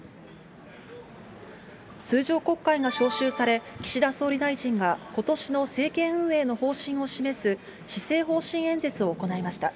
通常国会が召集され、岸田総理大臣がことしの政権運営の方針を示す、施政方針演説を行いました。